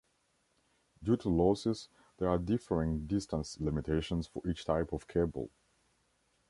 Due to losses, there are differing distance limitations for each type of cable.